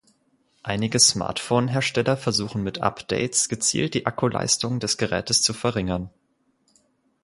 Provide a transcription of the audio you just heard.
Einige Smartphone-Hersteller versuchen mit Updates gezielt die Akkuleistung des Gerätes zu verringern.